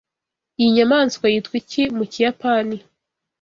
Iyi nyamaswa yitwa iki mu Kiyapani?